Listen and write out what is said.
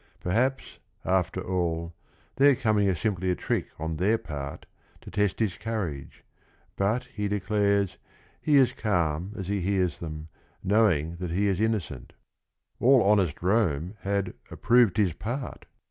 Perhaps, after all, their coming is simply a trick on their part to test his courage, but, he declares, he is calm as he hears them, knowing that he is inno cent. All honest Rome had "approved his part."